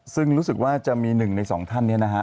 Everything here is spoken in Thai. ซึ่งรู้สึกว่าจะมี๑ใน๒ท่านนี้นะฮะ